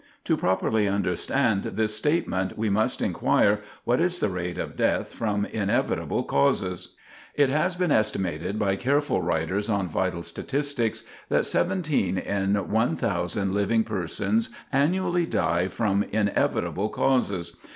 To properly understand this statement, we must inquire what is the rate of death from inevitable causes. [Sidenote: The Normal Death Rate] It has been estimated by careful writers on vital statistics that 17 in 1,000 living persons annually die from inevitable causes.